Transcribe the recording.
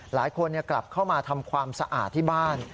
หลายคนกลับเข้ามาทำความสะอาดที่บ้าน